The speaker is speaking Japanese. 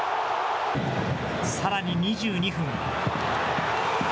さらに２２分。